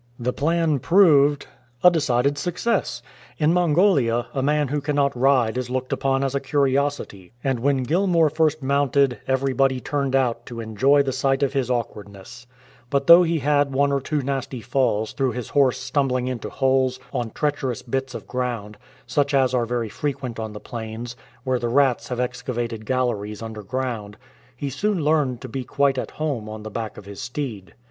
The plan proved a decided success. In Mongolia a man who cannot ride is looked upon as a curiosity, and when Gilmour first mounted everybody turned out to enjoy the sight of his awkwardness. But 23 RETURN TO PEKING though he hail one or two nasty falls through his horse stumbling into holes on treacherous bits of ground, such as are very frequent on the plains, where the rats have excavated galleries underground, he soon learned to be quite at home on the back of his steed.